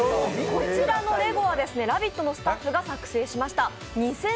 こちらのレゴは「ラヴィット！」のスタッフが作成しました。